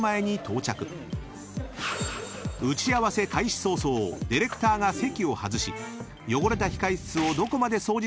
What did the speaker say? ［打ち合わせ開始早々ディレクターが席を外し汚れた控室をどこまで掃除するのかを隠し撮り］